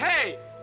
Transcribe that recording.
ketemu di rumah